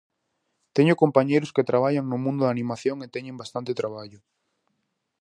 Teño compañeiros que traballan no mundo da animación e teñen bastante traballo.